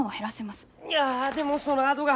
いやでもそのあどが。